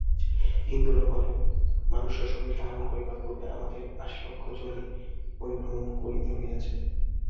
হিন্দুরা বলেন, মনুষ্য-শরীর ধারণ করিবার পূর্বে আমাদের আশিলক্ষ যোনি পরিভ্রমণ করিতে হইয়াছে।